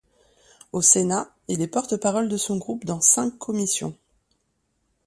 Au Sénat, il est porte-parole de son groupe dans cinq commissions.